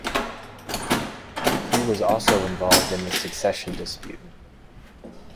He was also involved in the succession dispute.